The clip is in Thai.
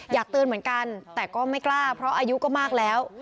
อยากเตือนเหมือนกันแต่ก็ไม่กล้าเพราะอายุก็มากแล้ว